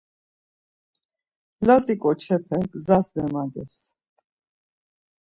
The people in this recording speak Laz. Lazi ǩoçepe gzas memages.